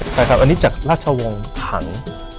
ใช่ครับอันนี้จากราชวงศ์ถัง